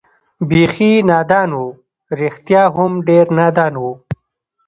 بېخي نادان و، رښتیا هم ډېر نادان و.